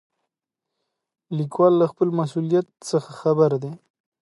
لیکوال له خپل مسؤلیت څخه خبر دی.